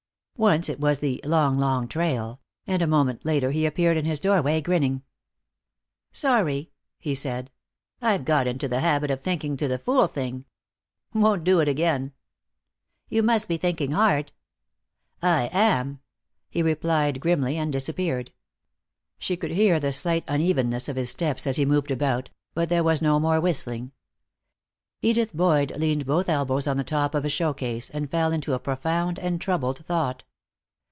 Once it was the "Long, Long Trail," and a moment later he appeared in his doorway, grinning. "Sorry," he said. "I've got in the habit of thinking to the fool thing. Won't do it again." "You must be thinking hard." "I am," he replied, grimly, and disappeared. She could hear the slight unevenness of his steps as he moved about, but there was no more whistling. Edith Boyd leaned both elbows on the top of a showcase and fell into a profound and troubled thought.